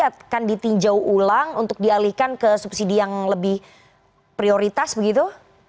akan ditinjau ulang untuk dialihkan ke subsidi yang lebih prioritas begitu